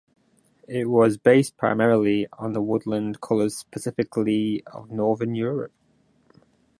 It was based primarily on the woodland colors specifically of northern Europe.